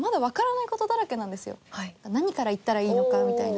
何から行ったらいいのかみたいな。